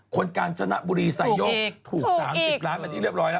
กาญจนบุรีไซโยกถูก๓๐ล้านมาที่เรียบร้อยแล้ว